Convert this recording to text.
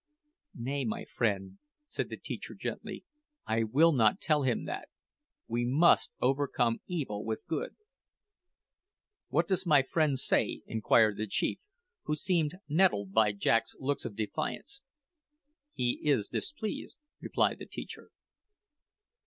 "Nay, my friend," said the teacher gently, "I will not tell him that. We must `overcome evil with good.'" "What does my friend say?" inquired the chief, who seemed nettled by Jack's looks of defiance. "He is displeased," replied the teacher.